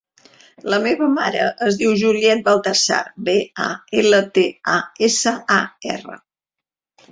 La meva mare es diu Juliet Baltasar: be, a, ela, te, a, essa, a, erra.